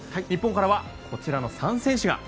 日本からはこちらの３選手。